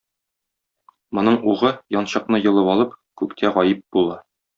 Моның угы, янчыкны йолып алып, күктә гаип була.